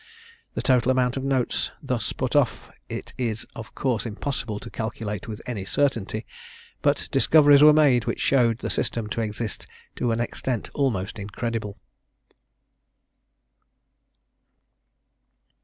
The total amount of notes thus put off it is of course impossible to calculate with any certainty, but discoveries were made which showed the system to exist to an extent almost incredible.